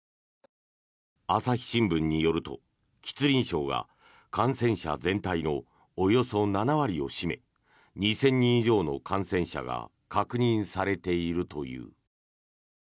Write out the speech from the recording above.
朝日新聞によると、吉林省が感染者全体のおよそ７割を占め２０００人以上の感染者が確認されているという。